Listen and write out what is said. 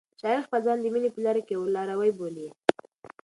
شاعر خپل ځان د مینې په لاره کې یو لاروی بولي.